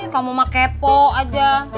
kalau mama kepo aja